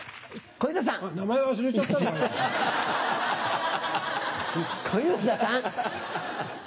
小遊三さん！